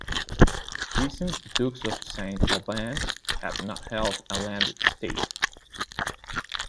Recent Dukes of Saint Albans have not held a landed estate.